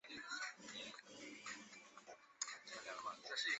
抱茎叶白花龙为安息香科安息香属下的一个变种。